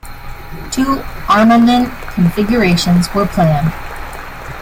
Two armament configurations were planned.